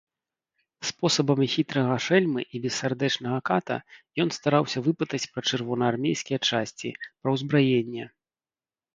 Спосабамі хітрага шэльмы і бессардэчнага ката ён стараўся выпытаць пра чырвонаармейскія часці, пра ўзбраенне.